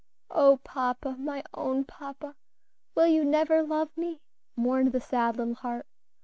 "O, papa! my own papa, will you never love me?" mourned the sad little heart.